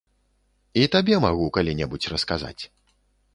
І табе магу калі-небудзь расказаць.